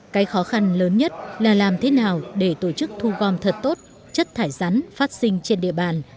cái khó khăn lớn nhất là làm thế nào để tổ chức thu gom thật tốt chất thải rắn phát sinh trên địa bàn